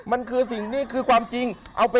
มันคือสิ่งที่คือความจริงเอาไป